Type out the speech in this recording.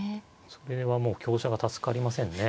それはもう香車が助かりませんね。